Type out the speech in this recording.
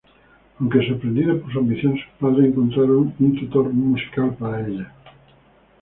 Aunque sorprendido por su ambición, sus padres encontraron un tutor música para ella.